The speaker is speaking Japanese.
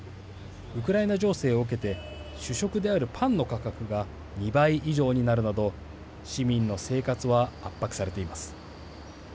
ウクライナ情勢を受けて主食であるパンの価格が２倍以上になるなど市民の生活は圧迫されています。